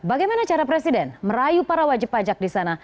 bagaimana cara presiden merayu para wajib pajak di sana